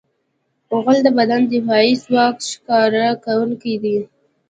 غول د بدن د دفاعي ځواک ښکاره کوونکی دی.